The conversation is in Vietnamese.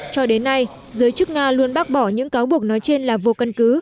cho đến nay giới chức nga luôn bác bỏ những cáo buộc nói trên là vô căn cứ